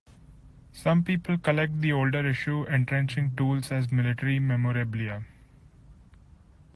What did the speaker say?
Some people collect the older issue entrenching tools as military memorabilia.